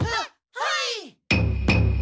はい！